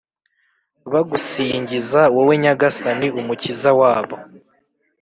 bagusingiza, wowe Nyagasani, Umukiza wabo.